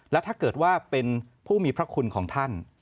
แล้วถ้าเกิดว่าเป็นผู้มีพระคุณของท่าน